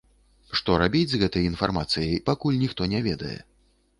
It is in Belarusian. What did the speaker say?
Што рабіць з гэтай інфармацыяй, пакуль ніхто не ведае.